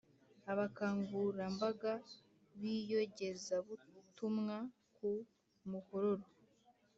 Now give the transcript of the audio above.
abakangurambaga b’iyogezabutumwa ku muhororo